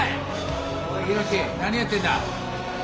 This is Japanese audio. おいヒロシ何やってんだ。